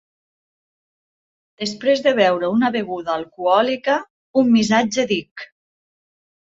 Després de beure una beguda alcohòlica, un missatge d'Hic!